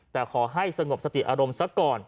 แต่ขอให้สงบสติอารมณ์ซะก่อน